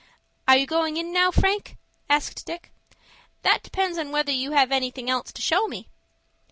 "Are you goin' in now, Frank?" asked Dick. "That depends upon whether you have anything else to show me."